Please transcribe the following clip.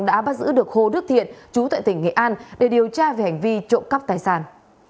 đã bắt giữ được hồ đức thiện chú tại tỉnh nghệ an để điều tra về hành vi trộm cắp tài sản